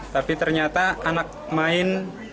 tapi ternyata anak main